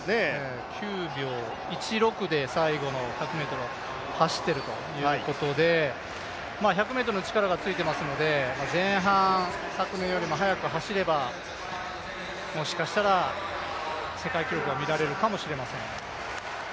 ９秒１６で最後の１００ｍを走ってるということで１００ｍの力がついていますので、前半昨年よりも速く走ればもしかしたら、世界記録が見られるかもしれません。